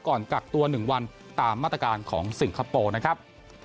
ก่อนกักตัว๑วันตามมาตรการของสิงคโปร์นะครับ